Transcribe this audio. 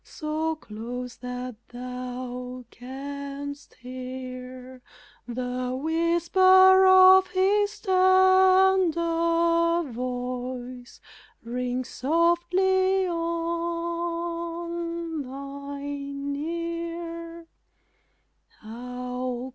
So close that thou canst hear The whisper of His tender voice Ring softly on thine ear.